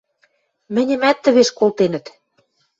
– Мӹньӹмӓт тӹвеш колтенӹт...